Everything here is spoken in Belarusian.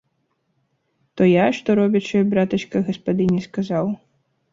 То я, што робячы, братачка, гаспадыні сказаў.